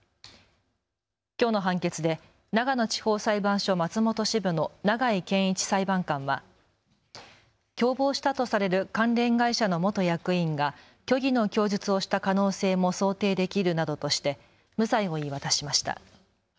きょうの判決で長野地方裁判所松本支部の永井健一裁判官は共謀したとされる関連会社の元役員が虚偽の供述をした可能性も想定できるなどとして無罪を言い渡しました。